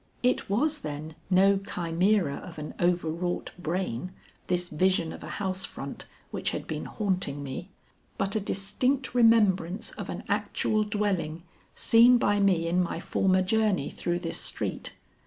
It was, then, no chimera of an overwrought brain, this vision of a house front which had been haunting me, but a distinct remembrance of an actual dwelling seen by me in my former journey through this street.